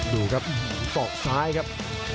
ดูครับศอกซ้ายครับ